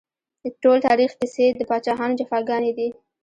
ټول تاريخ کيسې د پاچاهانو جفاګانې دي